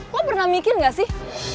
kok pernah mikir gak sih